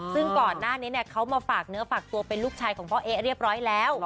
ซึ่งก่อนหน้านี้เขามาฝากเนื้อฝากตัวเป็นลูกชายของพ่อเอ๊ะเรียบร้อยแล้ว